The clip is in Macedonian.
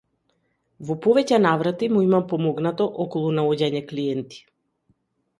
Во повеќе наврати му имам помогнато околу наоѓање клиенти.